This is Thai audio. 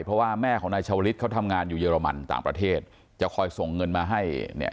เพราะว่าแม่ของนายชาวลิศเขาทำงานอยู่เยอรมันต่างประเทศจะคอยส่งเงินมาให้เนี่ย